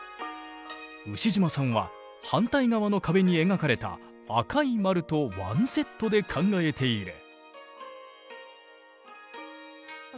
牛島さんは反対側の壁に描かれた赤い丸とワンセットで考えている。